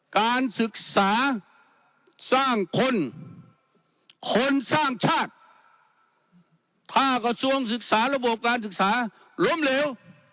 การศึกษาสร้างคนคนสร้างชาติถ้ากระทรวงศึกษาระบบการศึกษาล้มเหลว